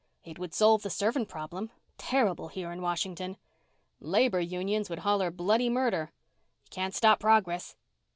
"It would solve the servant problem. Terrible here in Washington." "Labor unions would holler bloody murder." "You can't stop progress."